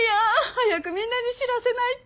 早くみんなに知らせないと。